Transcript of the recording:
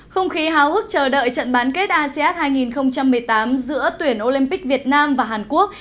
không khí háo hức chờ đợi trận bán kết asean hai nghìn một mươi tám giữa tuyển olympic việt nam và hàn quốc